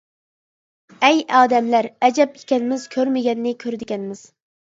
ئەي ئادەملەر، ئەجەب ئىكەنمىز، كۆرمىگەننى كۆرىدىكەنمىز.